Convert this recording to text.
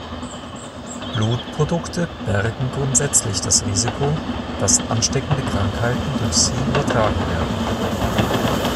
Blutprodukte bergen grundsätzlich das Risiko, dass ansteckende Krankheiten durch sie übertragen werden.